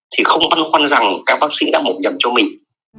thì không băn khoăn rằng các bác sĩ đã mổ nhầm cho mình